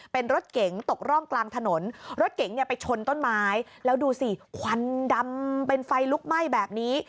เป็นรถเก๋งตกร่องกลางถนนรถเก๋งเนี่ยไปชนต้นไม้แล้วดูสิควันดำเป็นไฟลุกไหม้แบบนี้